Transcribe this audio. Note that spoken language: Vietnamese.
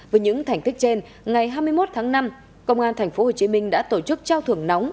với những thành tích trên ngày hai mươi một tháng năm công an tp hcm đã tổ chức trao thưởng nóng